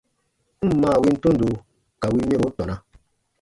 N ǹ maa win tundo ka win mɛro tɔna.